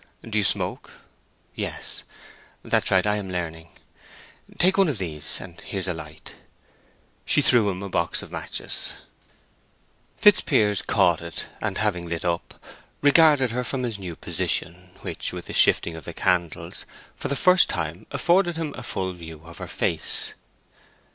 Do you smoke? Yes? That's right—I am learning. Take one of these; and here's a light." She threw a matchbox across. Fitzpiers caught it, and having lit up, regarded her from his new position, which, with the shifting of the candles, for the first time afforded him a full view of her face.